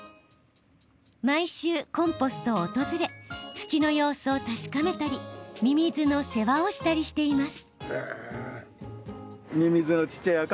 毎週コンポストを訪れ土の様子を確かめたりミミズの世話をしたりしています。